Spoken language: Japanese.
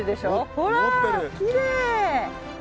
ほらきれい！